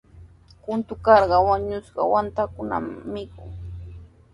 Kunturqa wañushqa waatakunatami mikun.